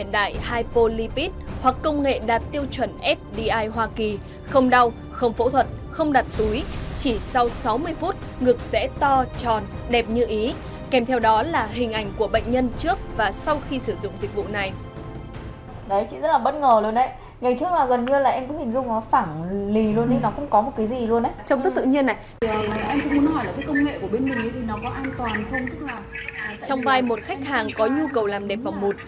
trong vai một khách hàng có nhu cầu làm đẹp vòng mụt